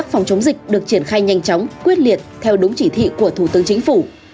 phòng chống dịch được triển khai nhanh chóng quyết liệt theo đúng chỉ thị của thủ tướng chính phủ